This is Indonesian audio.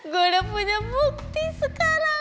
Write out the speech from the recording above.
gue udah punya bukti sekarang